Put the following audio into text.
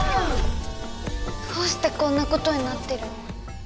どうしてこんなことになってるの？